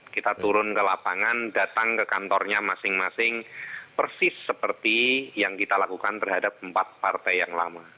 kita turun ke lapangan datang ke kantornya masing masing persis seperti yang kita lakukan terhadap empat partai yang lama